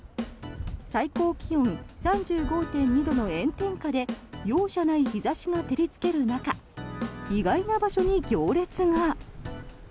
最高気温３５．２度の炎天下で容赦ない日差しが照りつける中意外な場所に行列が。